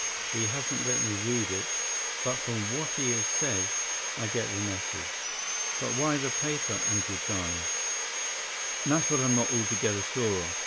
He hasn't let me read it, but from what he has said, I get the message." "But why the paper, Uncle Charlie?" "That's what I'm not altogether sure of.